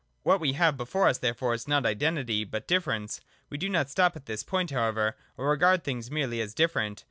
What we have before us therefore is not Identity, but Difference. We do not stop at this point however, or regard things merely as different.